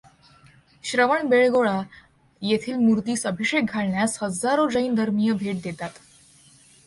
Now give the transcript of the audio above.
श्रवण बेळगोळा येथील मूर्तीस अभिषेक घालण्यास हजारो जैन धर्मीय भेट देतात.